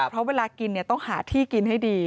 เพราะเวลากินต้องหาที่กินให้ดี